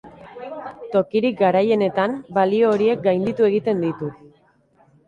Tokirik garaienetan, balio horiek gainditu egiten ditu.